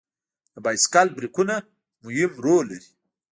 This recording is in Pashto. د بایسکل بریکونه مهم رول لري.